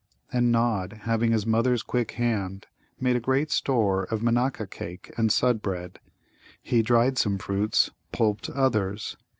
And Nod, having his mother's quick hand, made a great store of Manaka cake and Sudd bread. He dried some fruits, pulped others.